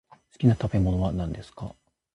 好きな食べ物は何ですか？